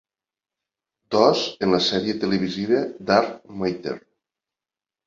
Dos en la sèrie televisiva "Dark Matter".